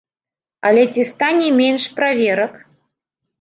Але ці стане менш праверак?